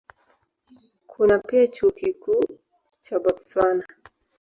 Kuna pia Chuo Kikuu cha Botswana.